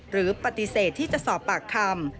หรือปฏิเสธที่จะสอบปากคำ